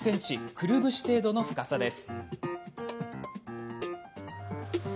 くるぶし程度の深さです。